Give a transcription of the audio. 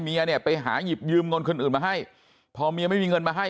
เนี่ยไปหาหยิบยืมเงินคนอื่นมาให้พอเมียไม่มีเงินมาให้